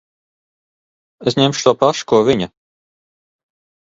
Es ņemšu to pašu, ko viņa.